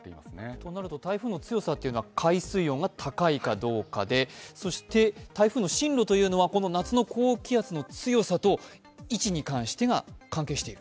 となると台風の強さというのは海水温が高いかどうかでそして台風の進路というのは夏の高気圧の強さと位置に関してが関係している？